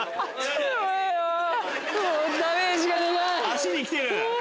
足に来てる？